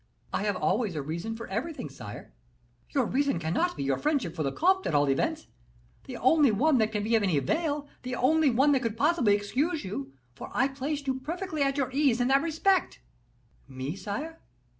"I have always a reason for everything, sire." "Your reason cannot be your friendship for the comte, at all events, the only one that can be of any avail, the only one that could possibly excuse you, for I placed you perfectly at your ease in that respect." "Me, sire?"